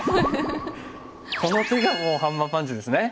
この手がもうハンマーパンチですね。